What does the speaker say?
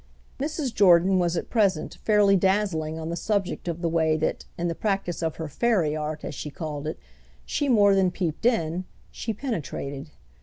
Mrs. Jordan was at present fairly dazzling on the subject of the way that, in the practice of her fairy art, as she called it, she more than peeped in—she penetrated.